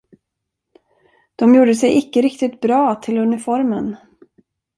De gjorde sig icke riktigt bra till uniformen.